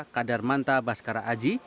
kadarmanta baskara aji